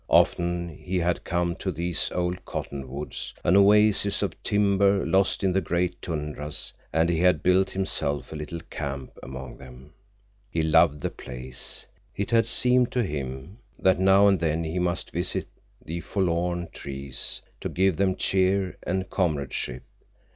Often he had come to these old cottonwoods, an oasis of timber lost in the great tundras, and he had built himself a little camp among them. He loved the place. It had seemed to him that now and then he must visit the forlorn trees to give them cheer and comradeship.